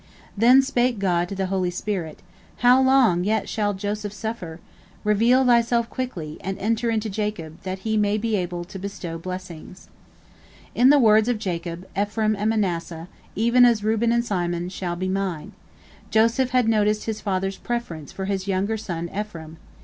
Then spake God to the holy spirit: "How long yet shall Joseph suffer? Reveal thyself quickly, and enter into Jacob, that he may be able to bestow blessings." In the words of Jacob, "Ephraim and Manasseh, even as Reuben and Simon, shall be mine," Joseph had noticed his father's preference for his younger son Ephraim.